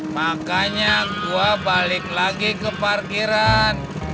makanya gua balik lagi ke parkiran